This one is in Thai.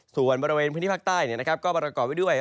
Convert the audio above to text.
ส่วนบริเวณพื้นที่ภาคใต้ก็ประกอบไว้ด้วย